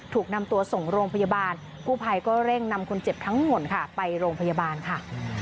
ถูกนำตัวส่งโรงพยาบาลกู้ภัยก็เร่งนำคนเจ็บทั้งหมดค่ะไปโรงพยาบาลค่ะ